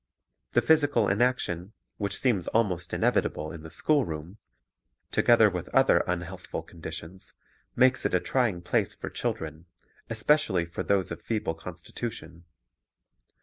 The physical inaction which seems almost inevitable in the schoolroom — together with other unhealthful conditions — makes it a trying place for children, especially for those of feeble constitution.